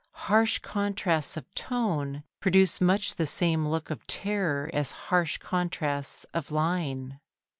Harsh contrasts of tone produce much the same look of terror as harsh contrasts of line.